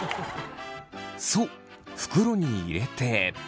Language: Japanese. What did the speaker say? そう袋に入れて。